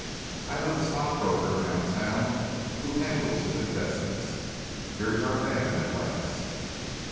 I know the stockbroker down town who handles his investments. Here's our man at last!"